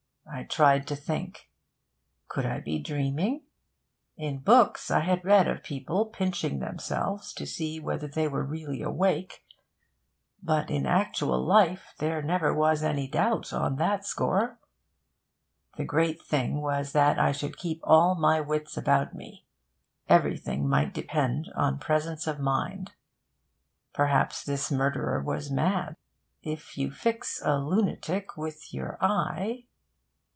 I tried to think. Could I be dreaming? In books I had read of people pinching themselves to see whether they were really awake. But in actual life there never was any doubt on that score. The great thing was that I should keep all my wits about me. Everything might depend on presence of mind. Perhaps this murderer was mad. If you fix a lunatic with your eye...